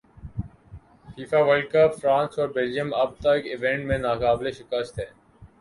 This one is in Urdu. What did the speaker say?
فیفا ورلڈ کپ فرانس اور بیلجیئم اب تک ایونٹ میں ناقابل شکست ہیں